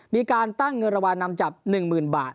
มีการตั้งเงินระวันนำจับ๑หมื่นบาท